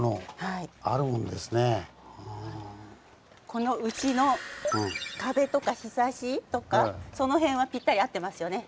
このうちの壁とかひさしとかその辺はぴったり合ってますよね。